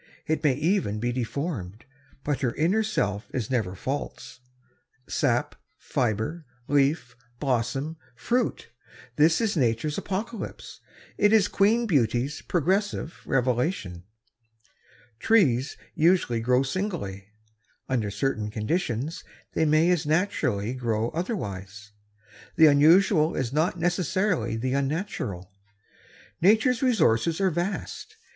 It may even be deformed. But her inner self is never false. Sap, fiber, leaf, blossom, fruit; this is nature's apocalypse. It is Queen Beauty's progressive revelation. Trees usually grow singly. Under certain conditions they may as naturally grow otherwise. The unusual is not necessarily the unnatural. Nature's resources are vast.